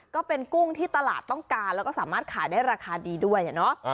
กุ้งที่ตลาดต้องการแล้วก็สามารถขายได้ราคาดีด้วยเนาะ